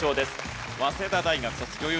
早稲田大学卒女優